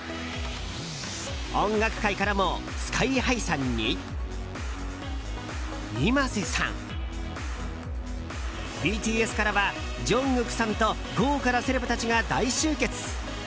音楽界からもＳＫＹ‐ＨＩさんにｉｍａｓｅさんＢＴＳからはジョングクさんと豪華なセレブたちが大集結。